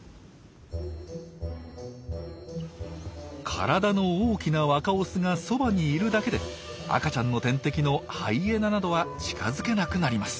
体の大きな若オスがそばにいるだけで赤ちゃんの天敵のハイエナなどは近づけなくなります。